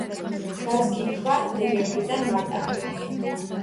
გაძგიფვა დეკემბრიდან მარტამდე.